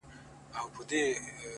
د فاصلو په تول کي دومره پخه سوې يمه؛